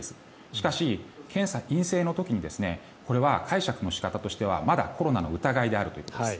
しかし、検査が陰性の時にこれは解釈の仕方としてはまだコロナの疑いであるということです。